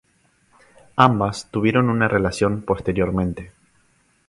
Ambas tuvieron una relación posteriormente.